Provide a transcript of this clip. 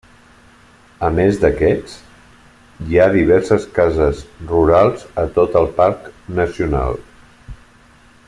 A més d'aquests, hi ha diverses cases rurals a tot el parc nacional.